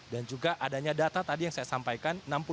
dan juga adanya data tadi yang saya sampaikan